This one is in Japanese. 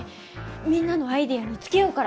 みんなのアイデアに付き合うから！